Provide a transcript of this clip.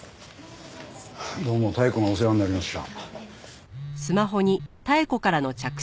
どうも妙子がお世話になりました。